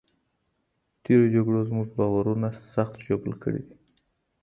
تېرو جګړو زموږ باورونه سخت ژوبل کړي دي.